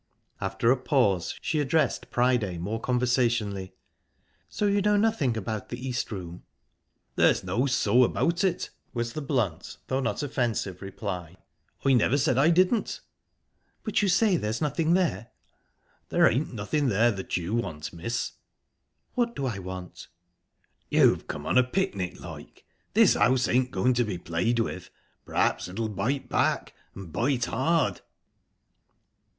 ...After a pause, she addressed Priday more conversationally: "So you know nothing about the East Room?" "There's no 'so' about it," was the blunt, though not offensive reply. "I never said I didn't." "But you say there's nothing there?" "There ain't nothing there that you want, miss." "What do I want?" "You've come on a picnic, like...This house ain't going to be played with. P'raps it'll bite back, and bite hard."